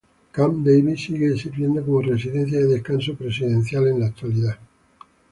Camp David sigue sirviendo como residencia de descanso presidencial en la actualidad.